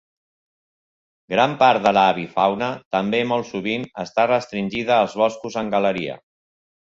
Gran part de l'avifauna també, molt sovint, està restringida als boscos en galeria.